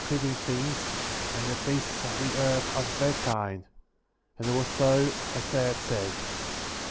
creeping things, and the beasts of the earth after their kind; and it was so, as they had said.